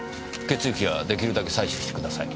血液はできるだけ採取してください。